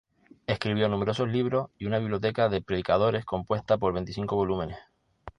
Escribió numerosos libros y una biblioteca de predicadores compuesta por veinticinco volúmenes.